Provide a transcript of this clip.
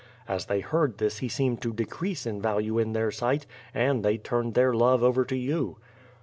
* As they heard this he seemed to decrease in value in their sight — and they turned their love over to you."